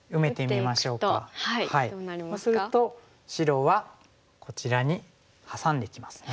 そうすると白はこちらにハサんできますね。